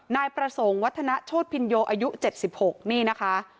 นายประสงค์วัฒนาโชธพินโยอายุ๗๖นี่นะคะ